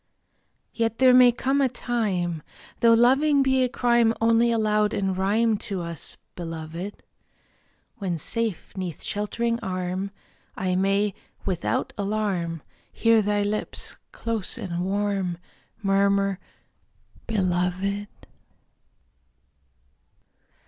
Yet there may come a time (Though loving be a crime Only allowed in rhyme To us, Beloved), When safe 'neath sheltering arm I may, without alarm, Hear thy lips, close and warm, Murmur: "Beloved!"